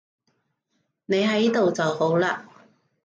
你喺度就好喇